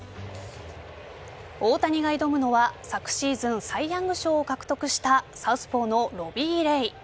大谷が挑むのは昨シーズンサイ・ヤング賞を獲得したサウスポーのロビー・レイ。